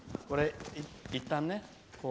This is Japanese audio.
いったんね。